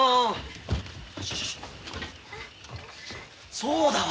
そうだわ。